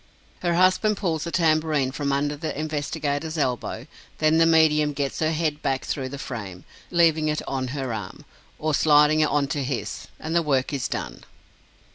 Her husband pulls the tambourine from under the investigator's elbow; then the medium gets her head back through the frame, leaving it on her arm, or sliding it on to his, and the work is done!